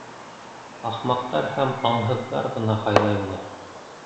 Ахмаҡтар һәм аңһыҙҙар ғына һайлай уны.